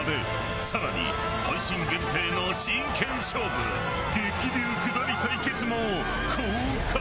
さらに配信限定の真剣勝負激流下り対決も公開！